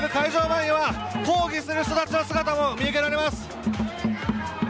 前は抗議する人たちの姿も見受けられます。